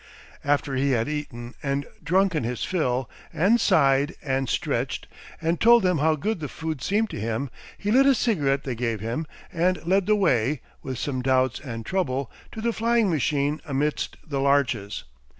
After he had eaten and drunken his fill and sighed and stretched and told them how good the food seemed to him, he lit a cigarette they gave him and led the way, with some doubts and trouble, to the flying machine amidst the larches.